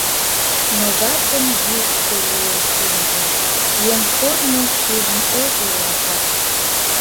Но ватын йӱштӧ лийын шӱмжӧ, Еҥ коржмым шижын огыл ялтак.